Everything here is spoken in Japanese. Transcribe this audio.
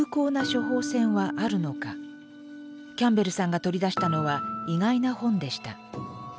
キャンベルさんが取り出したのは意外な本でした。